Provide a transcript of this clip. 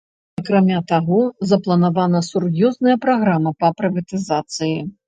Акрамя таго, запланавана сур'ёзная праграма па прыватызацыі.